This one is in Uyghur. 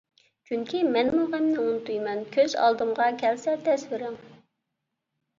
چۈنكى مەنمۇ غەمنى ئۇنتۇيمەن، كۆز ئالدىمغا كەلسە تەسۋىرىڭ.